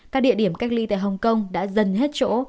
các địa điểm cách ly tại hồng kông đã dần hết chỗ